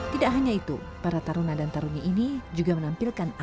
tidak hanya itu para taruna dan tarunyi ini juga menampilkan akar yang berbeda